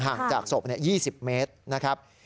ห่างจากศพ๒๐เมตรนะครับ